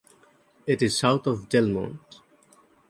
It is south of Delmont.